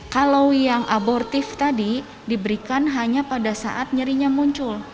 kalau yang abortif tadi diberikan hanya pada saat nyerinya muncul